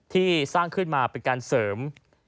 ที่สร้างขึ้นมาเป็นการเสริม